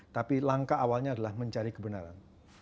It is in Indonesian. tapi langkah awalnya adalah mencari kebenaran